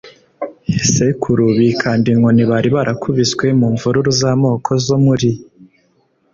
Sekuru bikanda inkoni bari barakubiswe mu mvururu z amoko zo muri